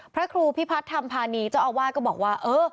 พระครูพิพัฒนธรรมภานีเจ้าอาวาสก็บอกว่า